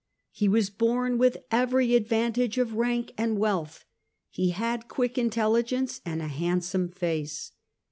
He was born with every advantage of rank and wealth ; he had a quick intelligence and a handsome face.